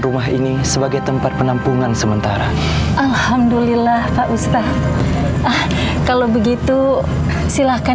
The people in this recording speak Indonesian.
rumah ini sebagai tempat penampungan sementara alhamdulillah pak ustadz kalau begitu silahkan